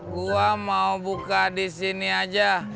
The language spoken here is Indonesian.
gua mau buka disini aja